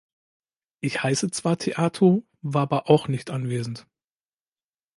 Ich heiße zwar Theato, war aber auch nicht anwesend.